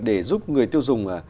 để giúp người tiêu dùng